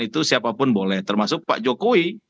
itu siapapun boleh termasuk pak jokowi